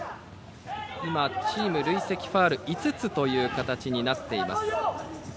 今、チーム累積ファウル５つという形になっています。